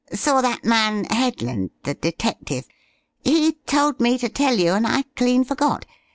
Saw that man Headland, the detective. He told me to tell you, and I clean forgot.